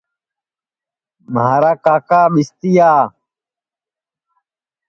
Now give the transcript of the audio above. مھارا کاکا ٻستِیا